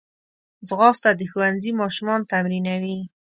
ځغاسته د ښوونځي ماشومان تمرینوي